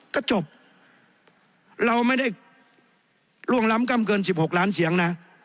ก็จบเราไม่ได้ล่วงล้ำกล้ำเกิน๑๖ล้านเสียงนะ